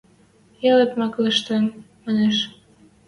– Ялет маклештӹн, – манеш.